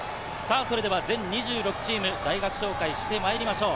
それでは全２６チーム、大学紹介してまいりましょう。